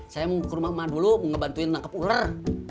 saya mau ke rumah mah dulu ngebantuin nangkep ular